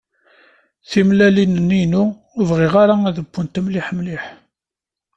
Timellalin-nni-inu ur bɣiɣ ara ad wwent mliḥ mliḥ.